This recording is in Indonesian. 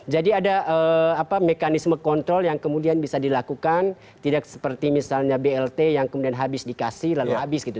jadi ada mekanisme kontrol yang kemudian bisa dilakukan tidak seperti misalnya blt yang kemudian habis dikasih lalu habis gitu